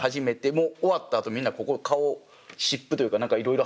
終わったあとみんなここ顔湿布というかいろいろ貼ったり。